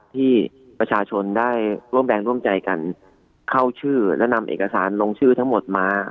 ที่ประชาชนได้ร่วมแรงร่วมใจกันเข้าชื่อและนำเอกสารลงชื่อทั้งหมดมา